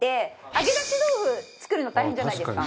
揚げ出し豆腐作るの大変じゃないですか。